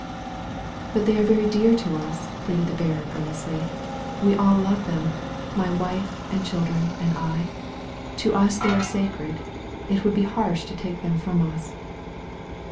"But they are very dear to us," pleaded the baron earnestly. "We all love them, my wife and chil dren and I. To us they are sacred. It would be harsh to take them from us."